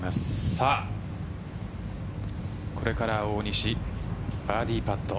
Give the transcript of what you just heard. さあ、これから大西バーディーパット。